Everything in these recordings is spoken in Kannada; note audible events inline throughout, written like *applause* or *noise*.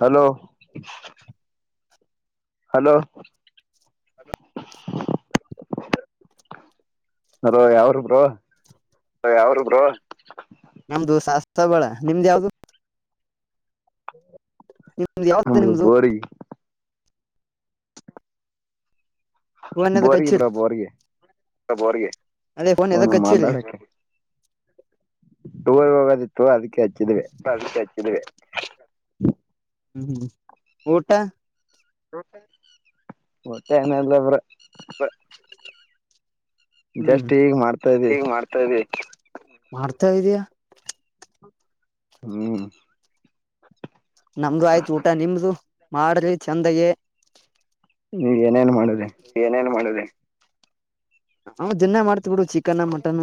ಹಲೋ *inaudible* ಹಲೋ ಹಲೋ ಹೆಲೋ ಯಾವೂರು ಬ್ರೋ ಯಾವುರು ನಮ್ದು ಶಾಸ್ತ್ರ ಬಳ ನಿಮ್ದ ಯಾವ್ದು ನಿಮ್ದು ಯಾವ್ದು ನಮ್ದು ನಿಮ್ದು ಬೋರಿಗೆ ಫೋನ್ ಎದಕ್ ಬೋರಿಗೆ ಹಚ್ಚಿರಿ ಬ್ರೋ ಬೋರಿಗೆ ಅದೇ ಫೋನ್ ಎದಚ್ಚರಿ ಮಾತಾಡಕ್ಕೆ ಹ ಅದಕ್ಕೆ ಹಚ್ಚಿದ್ವಿ ಆದಕ್ಕೆ ಹಚ್ಚಿದವೆ ಹ್ಮ ಊಟ ಮತ್ತೇನಿಲ್ಲ ಬ್ರೋ ಹ್ಮ ಜಸ್ಟ್ ಈಗ ಮಾಡ್ತಾ ಇದೀವಿ ಹೀಗ ಮಾಡ್ತಾ ಇದ್ದವಿ ಮರ್ತೆ ಹೋಗಿದೀಯಾ. ಹ್ಮ್ ನಮ್ದು ಆಯ್ತು ಊಟ ನಿಮ್ದು ಮಾಡ್ರಿ ಚಂದಗೆ. ನೀವ್ ಏನೇನ್ ಮಾಡಿದ್ರಿ. ನಾವ್ ದೀನ್ನ ಮಾಡ್ತಿವ ಬಿಡು ಚಿಕನ್ ಮಟನ್.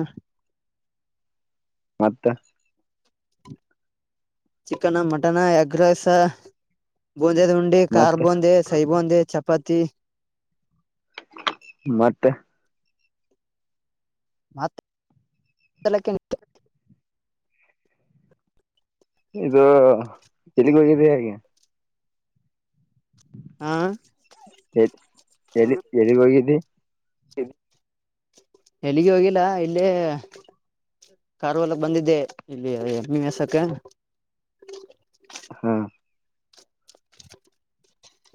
ಮತ್ತ. Chicken mutton ಎಗ್ರೈಸ. ಬೂಂದೇದ ಉಂಡಿ ಕಾರ್ ಮತ್ತೆ ಬೂಂದಿ ಸೈ ಬೂಂದಿ ಚಪಾತಿ ಮತ್ತೆ. ಮತ್ ಅಲ್ಲಕ್ಕೆನ ಇಟ್ಟ. ಇದು ಎಲಿಗ್ ಹೋಗಿದೀ ಆಗೇ. ಹಾ ಎ ಎಲ್ಲಿ ಎಲ್ಲಿಗ್ ಹೋಗಿದ್ದಿ. ಎಲ್ಲಿಗಿ ಹೋಗಿಲ್ಲ ಇಲ್ಲೇ ಕಾರ ಹೊಲಕ್ ಬಂದಿದ್ದೆ ಇಲ್ಲಿ ಎಮ್ಮಿ ಮೇಸಕ್ಕೆ. ಹಾ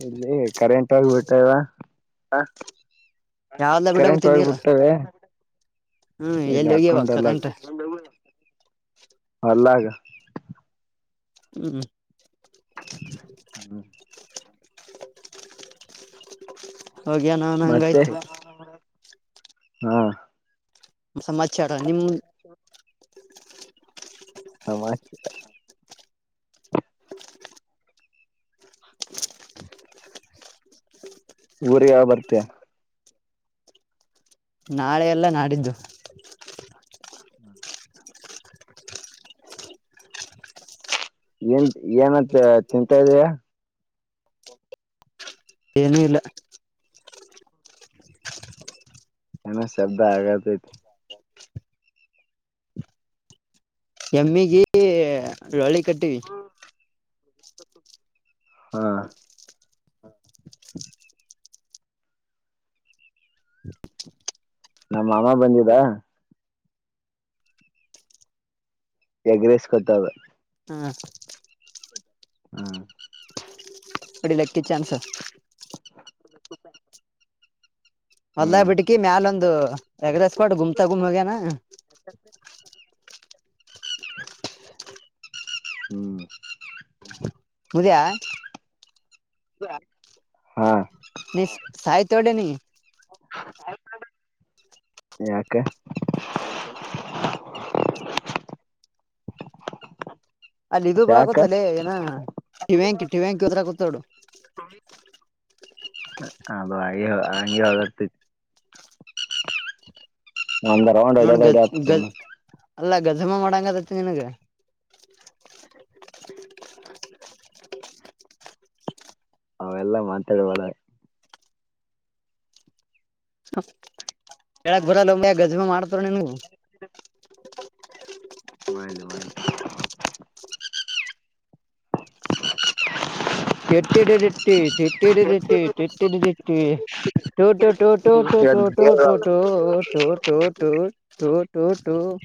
ಇಲ್ಲಿ ಕರೆಂಟ್ ಹೋಗ್ಬಿಟ್ಟದ. ಅ ಯಾವ ಹೊಲದಾಗ ಬಿಡಗುತ್ತಿದೀ ನೀರ. ಹೋಗ್ಬಿಟ್ಟವೆ ಇಲ್ಲಿ ಅಕೌಂಡ ಕರೆಂಟ್ ಹೋಲ್ದಾಗ. ಹೊಲ್ಲಾಗ. ಹ್ಮ್ ಹ್ಮ್ ಹೋಗಿ ಅನ್ನೋನ್ ಮತ್ತೆ ಹಂಗಾಯ್ತು. ಹಾ ಸಮಾಚಾರ ನಿಮ್ಮನ್ ಸಮಾಚಾರ್ ಊರಿಗ ಯಾವಾಗ್ ಬರ್ತಿ. ನಾಳೆ ಎಲ್ಲ ನಾಡಿದ್ದು. ಹ್ಮ *unintelligible* ಏನ್ ಏನಂತ ತಿಂತಾ ಇದೀಯಾ. ಏನೂ ಇಲ್ಲ. ಏನೋ ಶಬ್ದ ಆಗಾತೈತ. ಎಮ್ಮಿಗಿ ಲೋಳ್ಳಿ ಕಟ್ಟಿವಿ. ಹಾ *unintelligible* *unintelligible* ನಮ್ಮ ಮಾಮಾ ಬಂದಿದ. ಎಗ್ರೆಸ್ಕೋತ ಅದ. ಹ್ಮ ಹಾ ಹೊಡಿ ಲಕ್ಕಿ ಚಾನ್ಸ. ಹ್ಮ್ ಹೊಲ್ದಾಗ್ ಬಿಟ್ಕಿ ಮ್ಯಾಲ ಒಂದು ಎಗ್ ರೈಸ್ ಕೊಟ್ಟ ಗುಮ್ತಾ ಗುಮ್ ಹೋಗ್ಯಾನ. *inaudible* ಹ್ಮ *unintelligible* ಹಾ ನೀ *inaudible* ಯಾಕ್. ಯಾಕೆ. ಅಲ್ಲಿ ಇದು ಬರ ಯಾಕ ಗೊತ್ತಲ್ಲೇ ಏನ ಟಿವ್ಯಾಂಕಿ ಟಿವ್ಯಾಂಕಿ ವದ್ರಾಕತದ ನೋಡು. ಅದು ಆಗೆ ಹಂಗೆ ಅಲ್ಲತೈತಿ. ಒಂದ್ ರೌಂಡ್ ನೋಡ್ ಹೊಡ್ಯದ ಗದ್ ಹೊಡ್ಯತ ಗದ್ ಸುಮ್ನೆ ಅಲ್ಲ *unintelligible* ಮಾಡಂಗದತಿ ನಿನಗ. ಅವೆಲ್ಲಾ ಮಾತಾಡವಳ ಎಕ್ ಗರ ಲಂಬ ಗಜಮೆ ಮಾಡ್ತಾರನು ಮಾಡಾಯಲಿ ಮಾಡ ಕೆಟ್ಟಿಡದಿಟ್ಟಿ ತಟ್ಟಿಡದಿಟ್ಟ ತಟ್ಟಿಡದಿಟ್ಟ ಟೋಟೋ ಟೋ ಟೋಟ ಟೋಟೋ ಟೋಟೋಟೋಟೋಟೋ ಟೋ ಟೋಟೋ ಪತ್ರ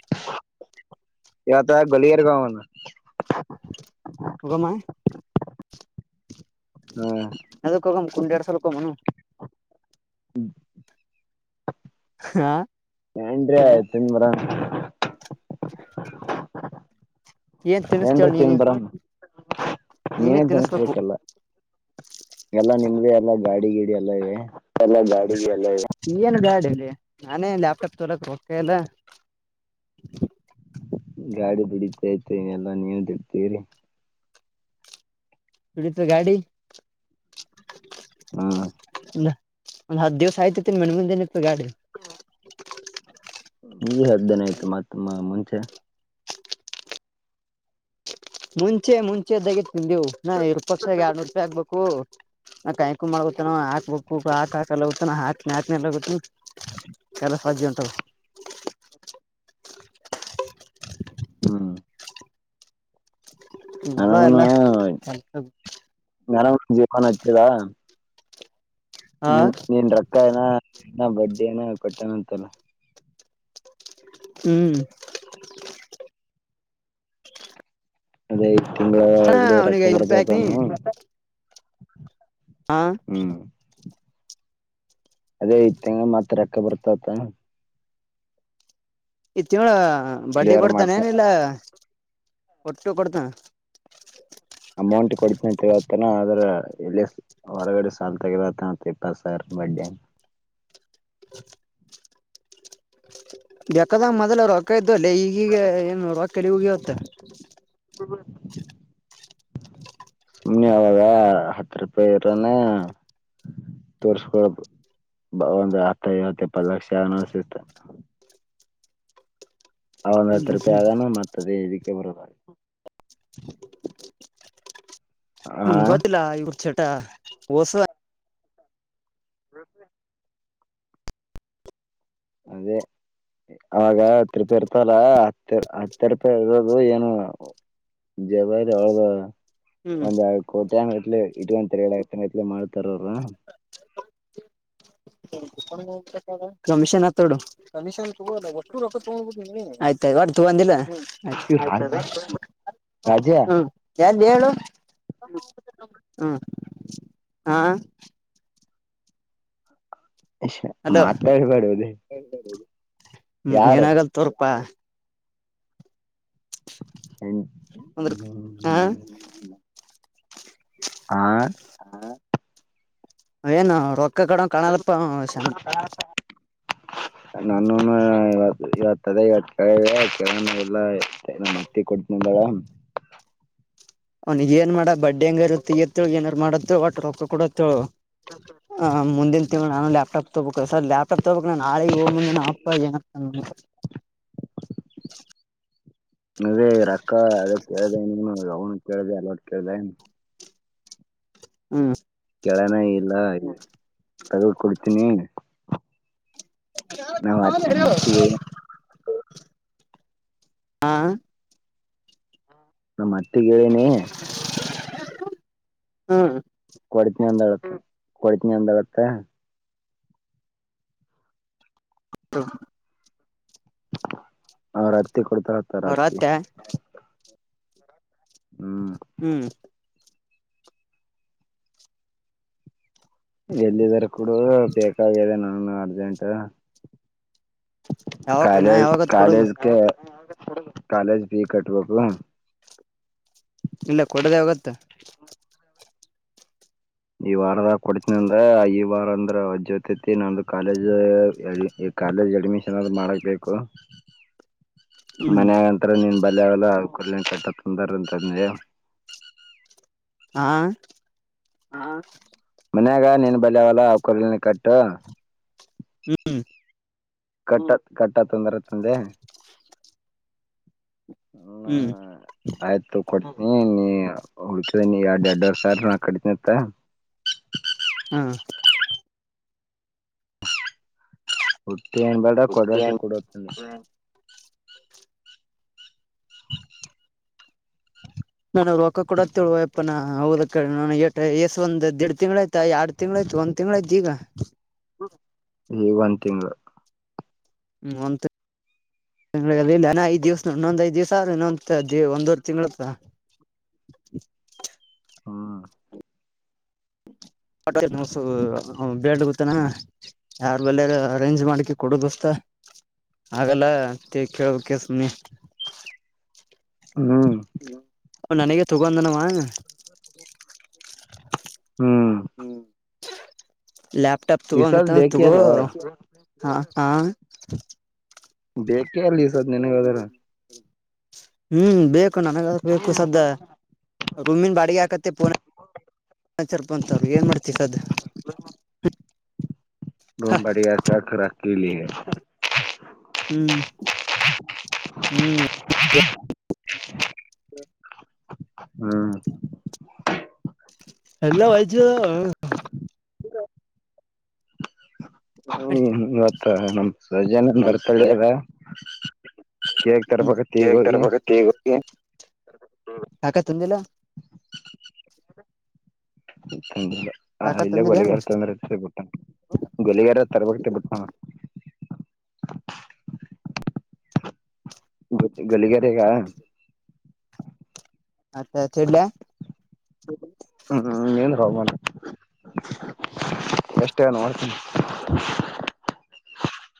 ಇವತ ಗಳಿಯಾರ ಗಾಾವನ ಗಗ ಮಾಯ ಹ್ಮ ಕುಂಡಡ್ಸಲ್ಕ ಮನು ಹ್ಮ್ ಹಾ ಏನ್ೀ ಆಯ್ತನ್ ಮರ *inaudible* ನ ತಿನ್ನಿಸ್ತೇಳ ನೀನೆ ತಿಂಬರ ನೀನೇ ತಿನಚ ಬಕ್ಕಲ್ಲ ಎಲ್ಲ ನಿಮ್ದೇ ಎಲ್ಲ ಗಾಡಿ ಗೀಡಿ ಎಲ್ಲ ಇದೆ ಗಾ ಏನು ಗಾಡಿಲ್ಲಿ ನಾನೇ ಲ್ಯಾಪ್ಟಾಪ್ ತೋರಕ್ ಹೋಗತ ಇಲ್ಲ *inaudible* ಗಾಡಿ ಬಿಡಿತಯ್ತ ಇನೆಲ್ಲ ನೀವ ಬಿಡ್ತೀವ್ರರಿ ಕುಡಿತ ಗಾಡಿ ಹ್ಮ್ ಒಂದ್ ಹತ್ ದಿವ್ಸ ಆಯ್ತಿ ತಿನ್ ಮಣಗಂದಏನಿತ್ತು ಗಾಡಿ ಈ ಹದ್ದನ ಆಯ್ತು ಮತ್ತಮ್ಮ ಮುಂಚೆ ಮುಂಚೆ ಮುಂಚೆ್ದಗಿ ತಿನ್ಿವು ನಾ ಇರ ಪಕ್ಷದ ಆರ್ನೂರು ರೂಪಾಯಿ ಆಗ್ಬೇಕು ಕಾಯ ಹಕ್ ಮಾಡತಾನ ಹಾಕ್ ಬು ಹಾಕ್ಾಕಲ್ಲ ಹಾಕ ಹಕ್ ಕೆಲ್ಲ ಸಾಜ ಉಂಟ ಹ್ಮ ಹ್ಮ ಅದ ಅಲ್ಲ ಮಡ ಜ ಕನ್ ಹತದ ಹಾ ನೀನ್ ನೀನ್ ರೊಕ್ಕ ಏನ ಬಡ್ಡಿ ಏನ ಕೊಟ್ಟ್ಯನ ಅಂತಲ್ಲ ಹ್ಮ್ ಅದೇ ತಿಂಗಗಳ ಹಾ ಇಡೆ ರಕ್ತ ಅವ್ನಿಗೆ ಐದ್ ರೂಪಾಯಿ ಹಾಕ್ನಿ ಬರುತತಾನ ಹಾ ಅದೇ ತಂಗ ಮತ್ರ ರಕ್ಕ ಬರ್ತತ ಇ ತಿವಳ ಬಡ್ಡಿ ಕ್ಲಿಯರ್ ಕೊಡ್ತಾನೆ ಮಾಡ್ತ ಏನ ಇಲ್ಲ ಒಟ್ಟು ಕೊಡ್ತ ಅಮೌಂಟ್ ಕೊಡಿತನಂತವತನ ಆದದ್ರ ಎಲ್ಲಿ ಹೊರಗಡೆ ಸಾಲ ತಗದತಪ್ಪ ಸರ್ ಬಡ ಕ್ಕದ ಮೊದಲ ರೊಕ್ಕ ಇದ್ದು ಅಲ್ಲ ಈಗೀಗ ಏನು ರೊಕ್ಕ ಎಲ್ಲಿ ಹಗಿ ಹತ್ತ ಹ್ಮ ಸುಮ್ನೆ ಅವಾಗ ಹತ್ತು ರೂಪಾಯಿ ಇರೋಾನ ತೋರ್ಸ್ಕೊ ಬ ಒಂದು್ ಹತ್ತ ಐವತ್ತು ಇಪ್ಪತ್ತು ಲಕ್ಷ ಅನಸತ ಅವ ಒಂದ ಹತ್ತು ರೂಪಾಯಿ ಅಗಾನ ಮಾಡ್ತದೆ ಇದಕ್ಕೆ ಬರೋದ ಹ ಹ್ಮ ಗೊತ್ತಿಲ್ಲ ಇವ್ರ ೋಟ ಓಸ ಹ ಅದೇ ಅವಾಗ ಹತ್ತು ೂಪಾಯಿ ಇರ್ತಲ್ಲ ಹತ್ತ ಹತ್ತ ೂಪಾಯಿ ಇರೋದು ಏನು ಜಾವರ ಹಾಗ ಹ್ಮ್ ಒಂದ್ ಎರ ಕೋಟಿ ಅಂಗತ್ಲೆ ಇಟ್ ಅಂತಾರೆ ಹೇಳತಂಗತ್ಲಿ ಮಾಡ್ತಾರ್ರ ಕಮಿಷನ್ ತೊಡ ಕಮ ಆಯ್ತ್ ಹೊಟ್ಟ ತೊಂಬಂದಿಲ್ಲ ಆಯ್ತ ರಾಜ ರಾಜ ಹ್ಮ್ ಎಲ್ಲ ಹೇಳು ಹ್ಮ ಹಾ ಹಲೋ ಮಾತಾಡಬ್ಯಾಡೋಲೆ ಹ್ಮ್ ಏನಾಗಲ್ ತೋರ್ಪಾ ಕುಂದ್ರ ಹಾ ಆ ಏನ ಅವ ರೊಕ್ಕ ಕೊಡಂಗ ಕಾಣಲ್ಪ ಶಾನ್ ನನ್ನವುನ ಇವತ್ತ ಇವತ್ತ ಅದ ಇವತ್ತ ಕೇಳಿದೆ ಕೇಳುವ ಇಲ್ಲ ನಮ್ಮ ಅತ್ತಿ ಕೊಟ್ಟತನಂದಳ ಅವ್ನಿಗೆ ಏನ್ ಮಾಡ ಬಡ್ಡಿ ಹಂಗರ ತಗಿ ಎತ್ತಳ ಏನಾರ ಮಾಡತ್ತ ಒಟ್ಟ ರೊಕ್ಕ ಕೊಡತ್ತಳ ಹ ಮುಂದಿನ ತಿಂಗಳ ನಾನು ಲ್ಯಾಪ್ಟಾಪ್ ತಗೋಬೇಕು ಹೊಸದು ಲ್ಯಾ ತೊಡಬೇಕು ನಾನ ನಾಳಿಗ ಓ ಮುಂದ ನಮ್ಮ ಅಪ್ಪಾ ಏನಂತಾನೇನ ಅದೇ ರಕ್ಕ ಅದ ಕೇಳಿದೆ ಅವನು ಕೇಳಿದೆ ಎಲಟ್ಟು ಕೇಳ್ದ ಹ್ಮ ಕೇಳನ ಇಲ್ಲ ತಗದಕೊಡ್ತೀನಿ ನಮ್ಮ ಅತ್ತಿ ಹಾ ನಮತ್ತಿಗೆಳಿನಿ ಹ್ಮ್ ಕೊಡತನಿ ಅಂದಾಳತ ಕೊಡತನಿ ಅಂದಾಳತ ಹತ್ತ ಅವರ ಅತ್ತಿ ಕೊಡ್ತಾಳಂತ ಅವರ ಅವ್ರ ಅತ್ತಿ ಅತ್ತೆ ಹ್ಮ್ ಹ್ಮ್ ಎಲ್ಲಿದರ ಕೋಡು ಬೇಕಾಗಾಗಿದೆ ನನಗ ಅರ್ಜೆಂಟ್ ಯಾವಾಗ ನಾ ಕಾಲೇಜ ಯಾವಾಗತ್ ಕೊಡೋದು ಕಾಲೇಜ ಕೆ ಕಾಲೇಜ ಫೀ ಕಟ್ವಬೇಕ ಇಲ್ಲ ಕೊಡದ ಯಾವಗತ್ತ ಈ ವಾರದಾಗ ಕೊಡತನ ಅಂದ್ರ ಈ ವಾರ ಅಂದ್ರ ವಜ್ಯೋತ ತಿ ನಂದ ಕಾಲೇಜ್ ಕಾಲೇಜ್ ಅಡ್ಮಿಷನ್ ಆದ ಮಾಡಕ್ಬೇಕು ಹ್ಮ್ ಮನ್ಗಂತರ ನಿನ್ ಬಲಿ ಅವಲ್ಲ ಅವುಕರಲೆ ಕಟ್ಟ ಅಂತ ಅಂದ್ರಾಂತಂದೆ ಹಾ ಮನ್ಯಾಗ ನೀನ್ ಬಲ್ಯಾವಲ್ಲ ಅವ ಕೊರಲ್ನೆ ಕಟ್ಟ ಹ್ಮ್ ಕಟ್ಟ ಕಟ್ಟತ ಅಂದರಾಂತಂದೆ ಹ್ಮ ಹ್ಮ್ ಆಯ್ತು ಕೊಡ್ತನಿ ನೀ ಉಳ್ಕದನೀ ಎಡ ಎಡ್ಡವರಿ ಸಾವಿರ್ ನಾ ಕಟ್ಟತಿನತ್ತ ಹ್ಮ ಉಳಿದ ಏನ್ಬೇಡ ಕೊಡಷ್ಟೆ ಕೊಡು ನನುವ ರೊಕ ಕೊಡತ ಹೇಳೊಯಪ್ಪನಾ ಹೌದ ಅಕಡಿ ನನಗ ಎಸ್ ಒಂದ ದಿಡ್ ತಿಂಗಳ ಆಯ್ತ ಎರಡ್ ತಿಂಗ್ಳ ಆಯ್ತ ಒಂದ ತಿಂಗ್ಗಳಾಯ್ತ ಈಗ ಈಗ ಒಂದ್ ತಿಂಗಳ್ ಹ್ಮ ಒ ತಿ ನ ಐದ್ ದಿವ್ಸ ಇನ್ನೊಂದ ಐದ ದಿವಸ ಅವ್ರರು ಇನ್ನೊಂದು ಒಂದುವರಿ ತಿಂಗಳತ್ತದ ಹ್ಮ್ *unintelligible* ಯಾರ ಬಲ್ಲೇರ ಅರೇಂಜ್ ಮಾಡಿ ಕೊಡು ದೋಸ್ತ ಹಾಗಲ್ಲ ಅಂತ ಕೇಳಬೇಕ ಸುಮ್ಮನೆ ಹ್ಮ್ ನನಗೆ ತಗೊಂದನವಾ ಹ್ಮ್ ಲೆಪ್ಟಾಪ್ ಈ ಸದ್ ತುಾಗ ತುಗ ಬೇಕೇ ಅಲ್ಲ ಹ ಹಾ. ಕೆಳ ಇ ಸದ್ದು ನಿನಗೆದರ. ಹ್ಮ್ ಬೇಕು ನನಗದರು ಬೇಕು ಸದ್ದ ರೂಮಿನ್ ಬಾಡಿಗೆ ಅಕತ್. ಮತ್ತೆ ಫೋನ್ ಹಚ್ಚೆರ್ ಏನ್ ಮಾಡ್ತೀ ಸದ್. ದೊಮ್ಬಡಿ ಯಕ್ ಅಕ್ರ ಅಕ್ಕಿಲಿ. ಹ್ಮ್ ಹ್ಮ್. *unintelligible* ಹ್ಮ್ ಎಲ್ಲ ವಜ್ಜಿ ಆದ. ಹ್ಮ್ ಇವತ್ ನಮ್ ಸಜೆನನ್ ನಮ್ ಬರ್ತಡೇ ಅದ. ಕೇಕ್ ತರ್ಬೇಕತ್ ಈಗ ಕೇಕ್ ಹೋಗಿ ತರ್ಬೇಕಂತ ಈಗ ಹೋಗಿ. ಯಾಕ ತಡೆಯಲು *inaudible* ಹ ಕಾಕ *inaudible* ಇಲ್ಲೇ ತಂದಿದ್ದೇನು ಗಲಿಗಾರ ತೊಂದ್ರೆಬಟ್ಟ ಗಲಿಗಾರ ತರಬಕ್ತಿ ಬಿಟ್ಟ ಗಲಿಗರೆಗ ಹಾರಾಟ ಆಯಾ ಇಲ್ಲ ಹ್ಮ್ ನಿಂದ್ರೋ ಮಾರೆ ಅಷ್ಟೇ ನೋಡ್ತೀನಿ. *inaudible*